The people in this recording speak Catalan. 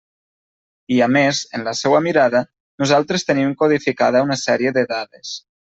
I a més, en la seua mirada, nosaltres tenim codificada una sèrie de dades.